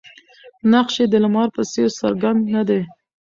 نقش یې د لمر په څېر څرګند نه دی.